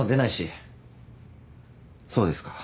そうですか。